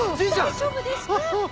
大丈夫ですか？